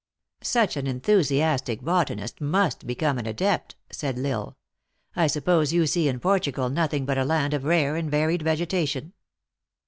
Such an enthusiastic botanist must become an adept," said L Isle. " I suppose you see in Portugal nothing but a land of rare and varied vegetation?"